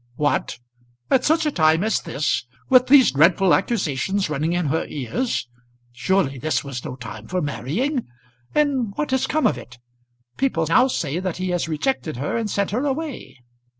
"What; at such a time as this; with these dreadful accusations running in her ears? Surely this was no time for marrying! And what has come of it? People now say that he has rejected her and sent her away."